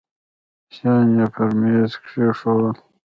شيان يې پر ميز کښېښوول.